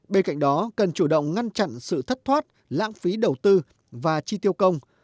bên cạnh đó cần chủ động ngăn chặn sự thất thoát lãng phí đầu tư và chi tiêu công